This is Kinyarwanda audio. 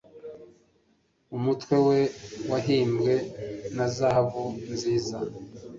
Umutwe we wahimbwe na zahabu nziza